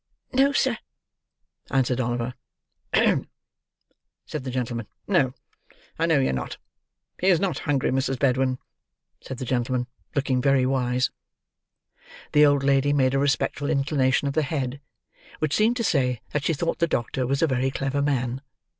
"No, sir," answered Oliver. "Hem!" said the gentleman. "No, I know you're not. He is not hungry, Mrs. Bedwin," said the gentleman: looking very wise. The old lady made a respectful inclination of the head, which seemed to say that she thought the doctor was a very clever man.